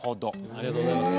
ありがとうございます。